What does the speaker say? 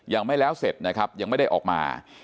ยังไม่แล้วเสร็จนะครับยังไม่ได้ออกมา